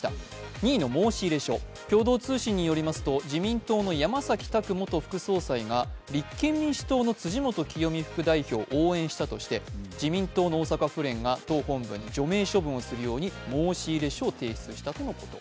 ２位の申入書、共同通信によりますと、自民党の山崎拓元副総理が立憲民主党の辻元清美副代表を応援したとして自民党の大阪府連が党本部に、除名処分をするよう申し入れ書を提出したということ。